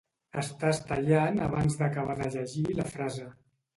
Estàs tallant abans d'acabar de llegir la frase